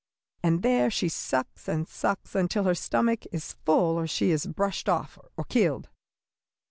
And there she sucks and sucks until her stomach is full or she is brushed off or killed."